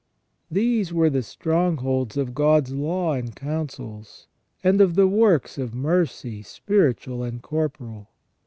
These were the strongholds of God's law and counsels, and of the works of mercy spiritual and corporal.